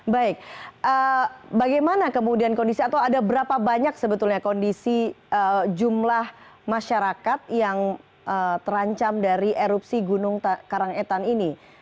baik bagaimana kemudian kondisi atau ada berapa banyak sebetulnya kondisi jumlah masyarakat yang terancam dari erupsi gunung karangetan ini